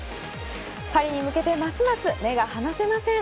パリに向けて、ますます目が離せません。